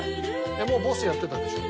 「もうボスやってたでしょ」